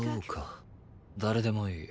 誰でもいい。